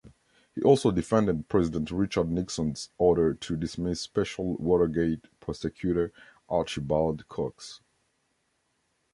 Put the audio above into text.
He also defended President Richard Nixon's order to dismiss special Watergate prosecutor Archibald Cox.